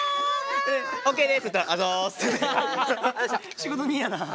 仕事人やなぁ。